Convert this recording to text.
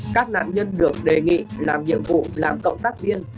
các nạn nhân được đề nghị làm nhiệm vụ làm cộng tác viên